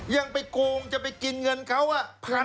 ยังไปโกงจะไปกินเงินเขา